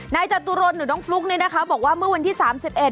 จตุรนหรือน้องฟลุ๊กเนี่ยนะคะบอกว่าเมื่อวันที่สามสิบเอ็